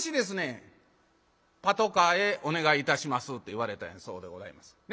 「パトカーへお願いいたします」って言われたんやそうでございます。